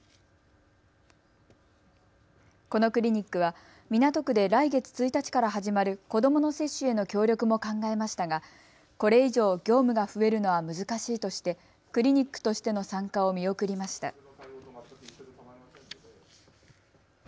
このクリニックは港区で来月１日から始まる子どもの接種への協力も考えましたがこれ以上、業務が増えるのは難しいとしてクリニックとしての参加を見送りました。